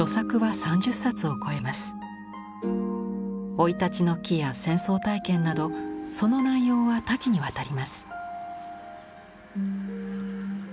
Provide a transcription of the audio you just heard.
生い立ちの記や戦争体験などその内容は多岐にわたります。